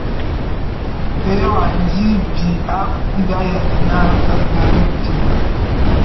Ve éyoñ a nji bi akum d’ayiane na a ve avale éte.